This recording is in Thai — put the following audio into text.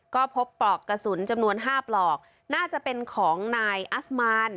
ก็พบปลอกกระสุนจำนวน๕ปลอกน่าจะเป็นของนายอัสมาน